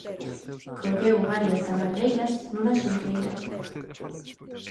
Colleu varias tamargueiras nunha xunqueira.